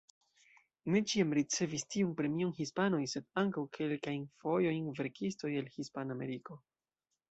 Ne ĉiam ricevis tiun premion hispanoj, sed ankaŭ kelkajn fojojn verkistoj el Hispanameriko.